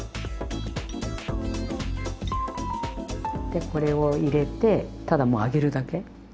でこれを入れてただもう揚げるだけ。